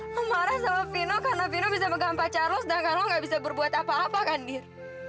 lo marah sama vino karena vino bisa pegang pacar lo sedangkan lo gak bisa berbuat apa apa kan dir